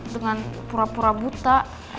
dengan pura pura buta